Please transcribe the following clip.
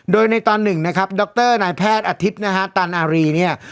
โดยในตอนหนึ่งนะครับดรนายแพทย์อาทิตย์นะฮะตันอารีเนี่ย